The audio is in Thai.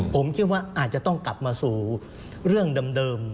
ผมคิดว่าอาจจะต้องกลับมาสู่เรื่องเดิม